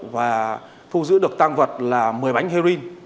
và thu giữ được tăng vật là một mươi bánh heroin